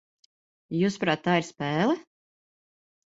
Jūsuprāt, tā ir spēle?